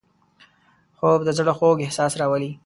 خوب د زړه خوږ احساس راولي